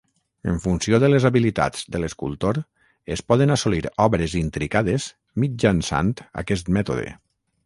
En funció de les habilitats de l'escultor, es poden assolir obres intricades mitjançant aquest mètode.